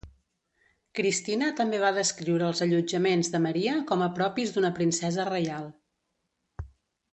Cristina també va descriure els allotjaments de Maria com a propis d'una princesa reial.